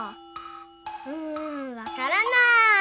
うんわからない！